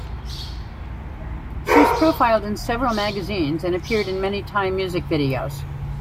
She was profiled in several magazines, and appeared in many Thai music videos.